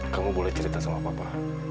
kamu boleh cerita sama papa